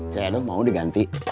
saya dong mau diganti